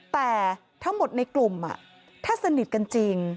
แต่ทั้งหมดในกลุ่มถ้าสนิทกันจริง